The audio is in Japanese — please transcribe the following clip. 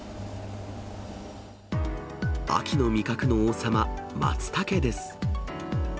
秋の味覚の王様、まつたけです。